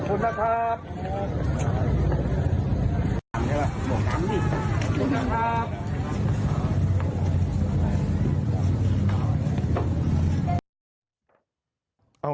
ขอบคุณมากครับ